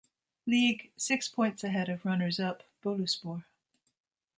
Lig, six points ahead of runners-up Boluspor.